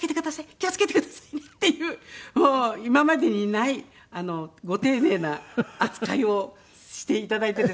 気を付けてくださいね」っていう今までにないご丁寧な扱いをしていただいてですね。